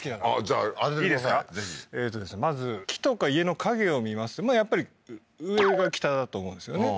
ぜひまず木とか家の影を見ますとまあやっぱり上が北だと思うんですよね